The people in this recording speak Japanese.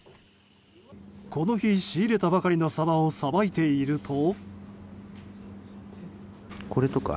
この日、仕入れたばかりのサバをさばいていると。